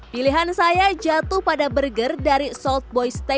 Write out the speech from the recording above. pilihan saya jatuh pada burger dari salt boy steak